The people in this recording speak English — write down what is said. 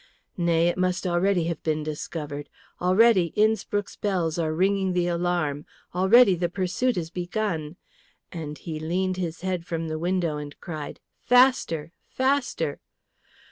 Nay, it must already have been discovered. Already Innspruck's bells are ringing the alarm; already the pursuit is begun " and he leaned his head from the window and cried, "Faster! faster!"